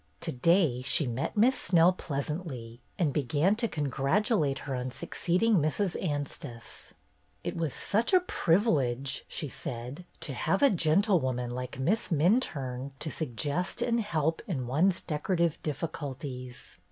To day she met Miss Snell pleasantly and began to congratu late her on succeeding Mrs. Anstice. It was such a privilege, she said, to have a gentle woman like Miss Minturne to suggest and help in one's decorative difficulties.